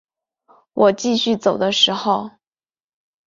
我继续走的时候